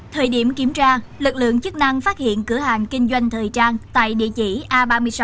thời điểm kiểm tra lực lượng chức năng phát hiện cửa hàng kinh doanh thời trang tại địa chỉ a ba mươi sáu